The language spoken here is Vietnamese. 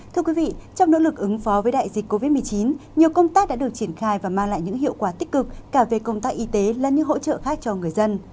thưa quý vị trong nỗ lực ứng phó với đại dịch covid một mươi chín nhiều công tác đã được triển khai và mang lại những hiệu quả tích cực cả về công tác y tế là những hỗ trợ khác cho người dân